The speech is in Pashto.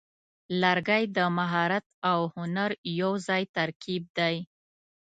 لرګی د مهارت او هنر یوځای ترکیب دی.